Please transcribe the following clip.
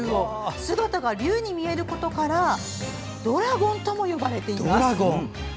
姿が竜に見えることからドラゴンとも呼ばれます。